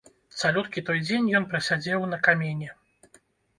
Цалюткі той дзень ён прасядзеў на камені.